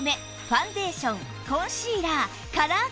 ファンデーションコンシーラーカラー